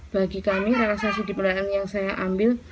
bagi kami relaksasi di belakang yang saya ambil